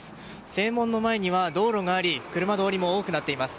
正門の前には道路があり車通りも多くなっています。